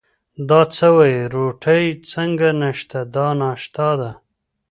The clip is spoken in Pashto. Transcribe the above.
دا څه وایې، روټۍ څنګه نشته، دا ناشتا ده.